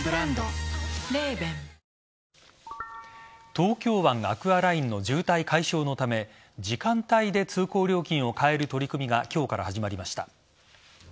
東京湾アクアラインの渋滞解消のため時間帯で通行料金を変える取り組みが今日から始まりました。